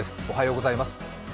おはようございます。